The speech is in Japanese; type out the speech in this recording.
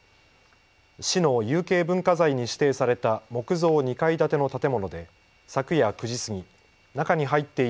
市の有形文化財に指定された木造２階建ての建物で昨夜９時過ぎ、中に入っている